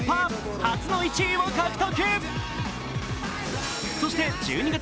初の１位を獲得。